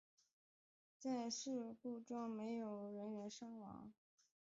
在该事故中没有人员伤亡。